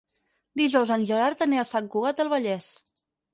Dijous en Gerard anirà a Sant Cugat del Vallès.